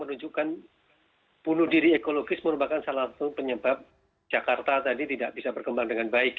menunjukkan bunuh diri ekologis merupakan salah satu penyebab jakarta tadi tidak bisa berkembang dengan baik